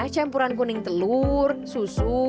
campuran kuning telur susu